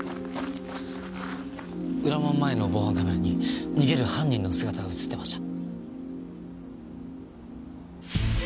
裏門前の防犯カメラに逃げる犯人の姿が映ってました。